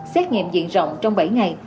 xét nghiệm diện rộng trong bảy ngày